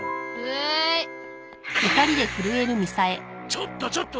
ちょっとちょっと！